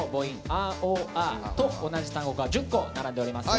「ア・オー・ア」と同じ単語が１０個並んでおります。